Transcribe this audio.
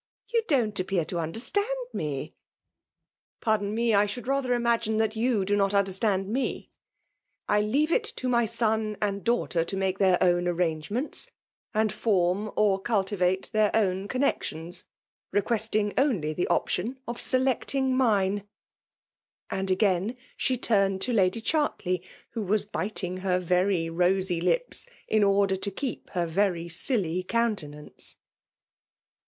You dont appear to understand I ...</' Pardon me, I should ;rather imagine th^t xfi^u^do^not understand me. I leave it to my 62 FEMALB OOMIKAllON. aon and daugliter to make their own aigaage* ments, and form or cultivate their own cov nexioas ;, requesting only the option cit seleet* ing mine.*' And again dm turned to LaAf Ghartley, who was bidag her very rosy lipsi in order to keep her very silly oooatenance.